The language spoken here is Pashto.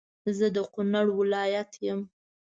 زه د کونړ ولایت يم